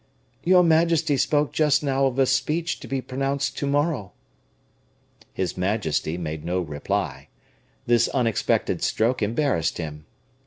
"Your majesty spoke just now of a speech to be pronounced to morrow." His majesty made no reply; this unexpected stroke embarrassed him.